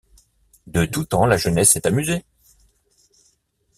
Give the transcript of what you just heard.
De tout temps la jeunesse s’est amusée.